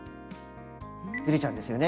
ずれちゃうんですよね